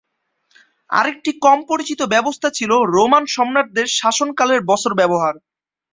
আরেকটি কম পরিচিত ব্যবস্থা ছিলো রোমান সম্রাটদের শাসনকালের বছর ব্যবহার।